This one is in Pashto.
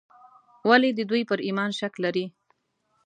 ولې د دوی پر ایمان شک لري.